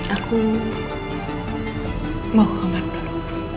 aku mau ke kamar dulu